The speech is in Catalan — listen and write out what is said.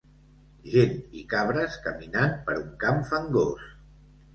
Gent i cabres caminant per un camp fangós.